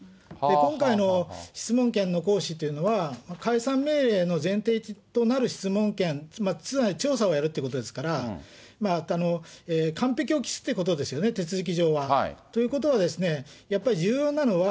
今回の質問権の行使というのは、解散命令の前提となる質問権、つまり調査をやるっていうことですから、完璧を期すということですよね、手続き上は。ということはですね、やっぱり重要なのは、